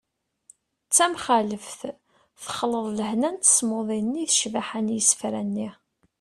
d tamxaleft : texleḍ lehna n tasmuḍi-nni d ccbaḥa n yisefra-nni